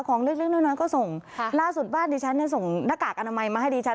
ของเลือกน้อยก็ส่งล่าสุดบ้านดิฉันส่งหน้ากากอนามัยมาให้ดิฉัน